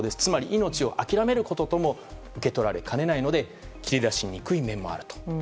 命を諦めることとも受け取られかねないので切り出しにくい面もあると。